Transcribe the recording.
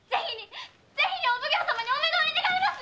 ぜひにお奉行様にお目通り願います！